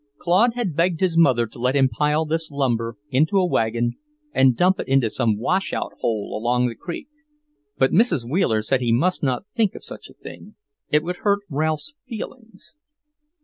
Claude had begged his mother to let him pile this lumber into a wagon and dump it into some washout hole along the creek; but Mrs. Wheeler said he must not think of such a thing; it would hurt Ralph's feelings.